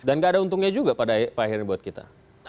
dan nggak ada untungnya juga pada akhirnya buat kita